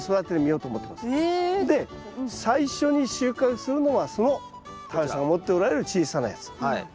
で最初に収穫するのはその太陽さんが持っておられる小さなやつ。